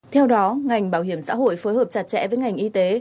theo đó ngành bảo hiểm xã hội phối hợp chặt chẽ với ngành y tế